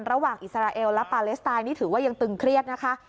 อิสราเอลและปาเลสไตนนี่ถือว่ายังตึงเครียดนะคะ